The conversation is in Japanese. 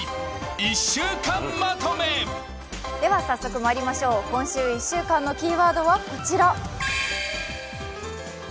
早速まいりましょう、今週１週間のキーワードはこちら。